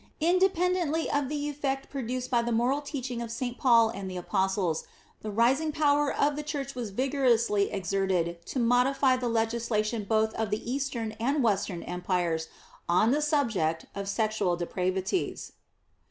Independently of the effect produced by the moral teaching of St. Paul and the Apostles, the rising power of the Church was vigorously exerted to modify the legislation both of the Eastern and Western empires on the subject of sexual depravities.